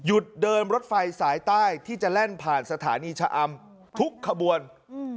เดินรถไฟสายใต้ที่จะแล่นผ่านสถานีชะอำทุกขบวน